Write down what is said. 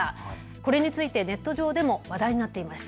これについてネット上でも話題になっていました。